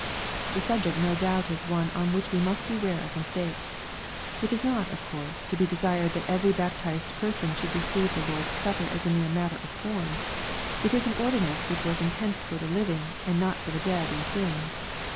The subject no doubt is one on which we must beware of mistakes. It is not, of course, to be desired that every baptized person should receive the Lord's Supper as a mere matter of form. It is an ordinance which was intended for the living and not for the dead in sins.